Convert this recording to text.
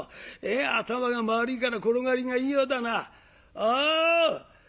頭がまるいから転がりがいいようだな。